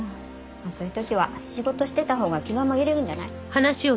そういう時は仕事してたほうが気が紛れるんじゃない？